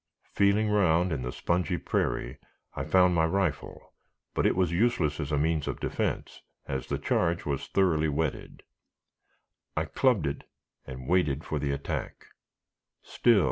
Feeling round in the spongy prairie, I found my rifle, but it was useless as a means of defense, as the charge was thoroughly wetted. I clubbed it, and waited for the attack.